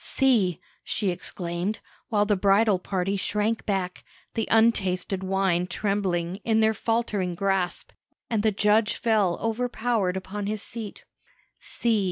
"See!" she exclaimed, while the bridal party shrank back, the untasted wine trembling in their faltering grasp, and the judge fell overpowered upon his seat "see!